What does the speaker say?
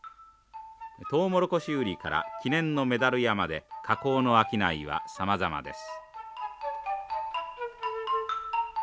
とうもろこし売りから記念のメダル屋まで火口の商いはさまざまです。